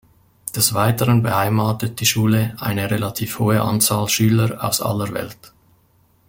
Des Weiteren beheimatet die Schule eine relativ hohe Anzahl Schüler aus aller Welt.